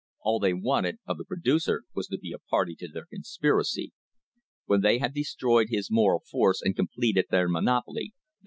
All they wanted of the pro ducer was to be a party to their conspiracy. When they had destroyed his moral force and completed their monopoly they